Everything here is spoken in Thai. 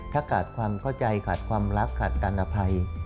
ถ้าขาดความเข้าใจขาดความรักขาดการอภัย